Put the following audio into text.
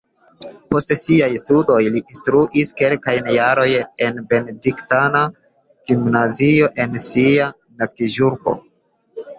Post siaj studoj li instruis kelkajn jarojn en benediktana gimnazio en sia naskiĝurbo.